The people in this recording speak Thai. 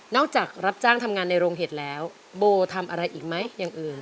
จากรับจ้างทำงานในโรงเห็ดแล้วโบทำอะไรอีกไหมอย่างอื่น